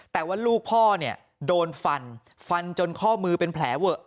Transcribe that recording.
แต่ว่าลูกพ่อเนี่ยโดนฟันฟันจนข้อมือเป็นแผลเวอะ